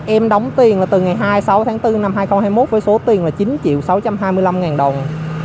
em đóng tiền từ ngày hai mươi sáu tháng bốn năm hai nghìn hai mươi một với số tiền là chín triệu sáu trăm hai mươi năm ngàn đồng